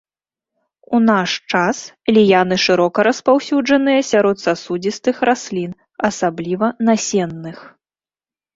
У наш час ліяны шырока распаўсюджаныя сярод сасудзістых раслін, асабліва насенных.